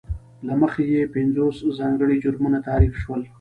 له مخې یې پینځوس ځانګړي جرمونه تعریف شول.